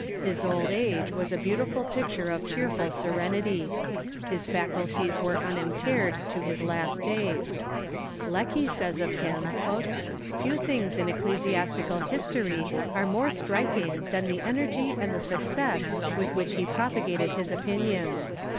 His old age was a beautiful pict ure of cheerful serenity. His faculties were unimpaired to his last days. Lecky says of him :" Few things in ecclesias tical history are more striking than the energy and the suc cess with which he propagated his opinions.